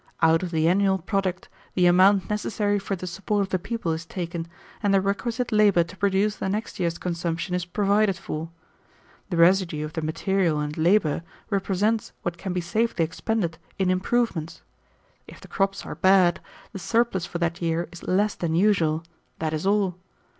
Out of the annual product the amount necessary for the support of the people is taken, and the requisite labor to produce the next year's consumption provided for. The residue of the material and labor represents what can be safely expended in improvements. If the crops are bad, the surplus for that year is less than usual, that is all.